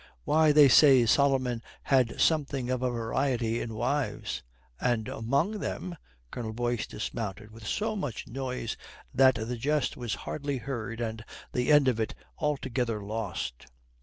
"Why, they say Solomon had something of a variety in wives, and among them " Colonel Boyce dismounted with so much noise that the jest was hardly heard and the end of it altogether lost.